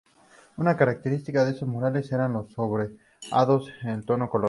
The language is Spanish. Una característica de estos murales eran los sombreados y el tono color.